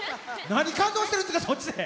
何感動してるんすか、そっちで。